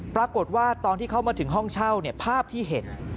ตอนที่เขามาถึงห้องเช่าภาพที่เห็น